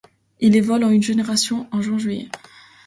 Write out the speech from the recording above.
Il vole en une génération en juin juillet.